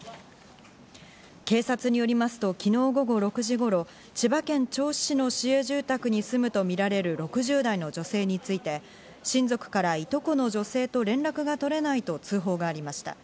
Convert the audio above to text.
警察によりますと昨日午後６時頃、千葉県銚子市の市営住宅に住むとみられる６０代の女性について、親族からいとこの女性と連絡が取れないと通報がありました。